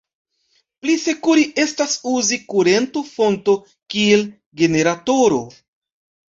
Pli sekure estas uzi kurento-fonto kiel generatoro.